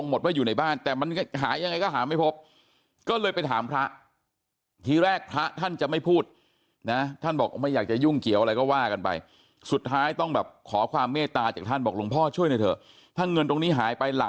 มันอยู่ในบ้านนั่นแหละ